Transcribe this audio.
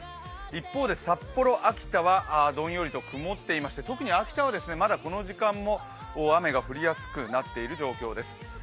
一方で札幌、秋田はどんよりと曇っていまして特に秋田はまだこの時間も雨が降りやすくなっている状況です。